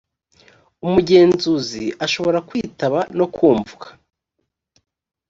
umugenzuzi ashobora kwitaba no kumvwa